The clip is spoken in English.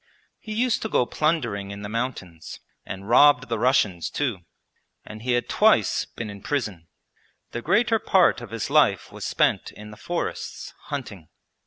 He used to go plundering in the mountains, and robbed the Russians too; and he had twice been in prison. The greater part of his life was spent in the forests, hunting.